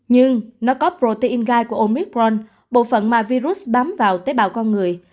nhưng nó có protein gai của omipron bộ phận mà virus bám vào tế bào con người